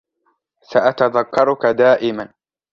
سأتذكرك دائما.